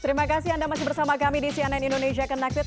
terima kasih anda masih bersama kami di cnn indonesia connected